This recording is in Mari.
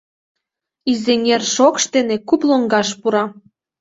Изеҥер шокш дене куп лоҥгаш пура.